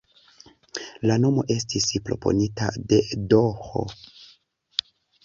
La nomo estis proponita de "D.-h.